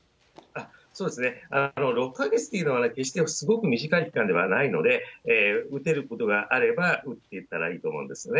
そうですね、６か月というのは決してすごく短い期間ではないので、打てることがあれば打っていただいたほうがいいと思うんですね。